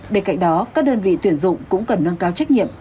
bên cạnh đó các đơn vị tuyển dụng cũng cần nâng cao trách nhiệm